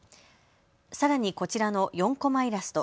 さらにこちらの４コマイラスト。